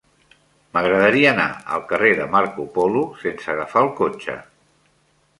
M'agradaria anar al carrer de Marco Polo sense agafar el cotxe.